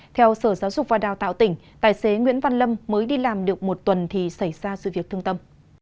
theo sở giáo dục và đào tạo tỉnh tài xế nguyễn văn lâm mới đi làm được một tuần thì xảy ra sự việc thương tâm